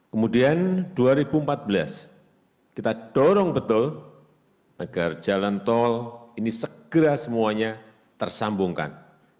kemudian dua ribu empat belas kita dorong betul agar jalan tol ini segera semuanya tersambungkan